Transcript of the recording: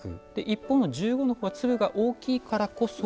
一方の十五の方は粒が大きいからこそ。